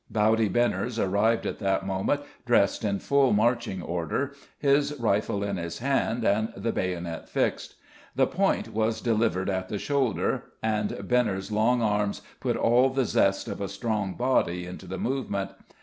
Bowdy Benners arrived at that moment, dressed in full marching order, his rifle in his hand and the bayonet fixed. The "point" was delivered at the shoulder, and Benners' long arms put all the zest of a strong body into the movement.